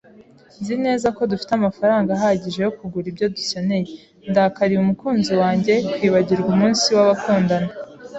Nzi neza ko dufite amafaranga ahagije yo kugura ibyo dukeneye. Ndakariye umukunzi wanjye kwibagirwa umunsi w'abakundana.